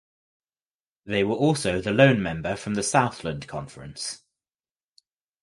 They were also the lone member from the Southland Conference.